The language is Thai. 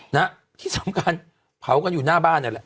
นะที่สำคัญเผากันอยู่หน้าบ้านนั่นแหละ